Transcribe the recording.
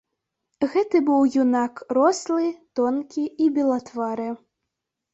Гэта быў юнак рослы, тонкі і белатвары.